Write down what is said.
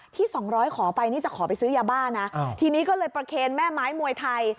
๒๐๐ขอไปนี่จะขอไปซื้อยาบ้านะทีนี้ก็เลยประเคนแม่ไม้มวยไทย